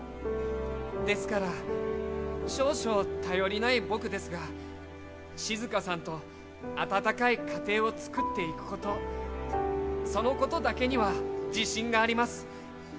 ですから、少々頼りない僕ですがしずかさんと温かい家庭を作っていくことそのことだけには自信があります。